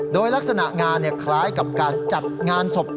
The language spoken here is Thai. โดยลักษณะงานคล้ายกับการจัดงานศพ